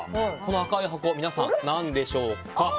赤い箱、皆さん何でしょうか。